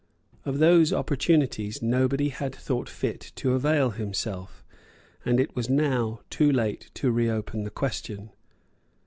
Of those opportunities nobody had thought fit to avail himself; and it was now too late to reopen the question.